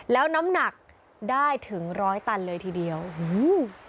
แล้วน้ำหนักได้ถึง๑๐๐ตันเลยทีเดียวโอ้โฮ